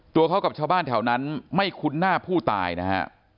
ตัวเขากับชาวบ้านแถวนั้นไม่คุ้นหน้าผู้ตายนะฮะ